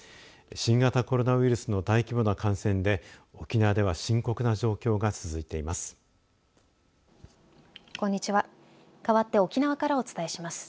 新型コロナウイルスの大規模な感染で沖縄では深刻な状況が続いています。